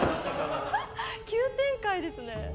急展開ですね。